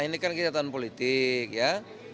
ini kan kita tahun politik ya